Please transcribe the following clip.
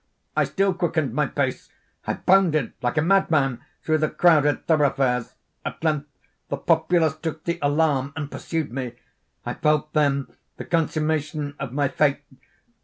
I still quickened my pace. I bounded like a madman through the crowded thoroughfares. At length, the populace took the alarm, and pursued me. I felt then the consummation of my fate.